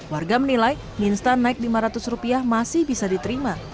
warga menilai mie instan naik lima ratus rupiah masih bisa diterima